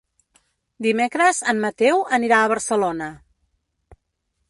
Dimecres en Mateu anirà a Barcelona.